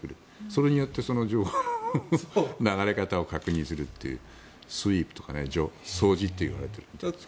それによってその情報の流れ方を確認するというスイープとか掃除って言われてる。